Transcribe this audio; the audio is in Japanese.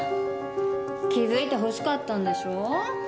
気づいてほしかったんでしょう？